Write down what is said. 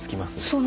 そう。